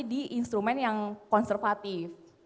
di instrumen yang konservatif